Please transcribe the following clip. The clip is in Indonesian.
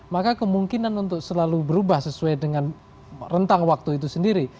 maka kemungkinan untuk selalu berubah sesuai dengan rentang waktu itu sendiri